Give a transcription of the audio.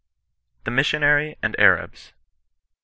THE HISSIONABT AND ABABS.